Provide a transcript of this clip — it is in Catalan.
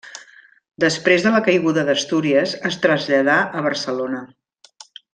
Després de la caiguda d'Astúries es traslladà a Barcelona.